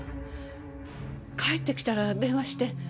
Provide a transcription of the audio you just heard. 帰って来たら電話して。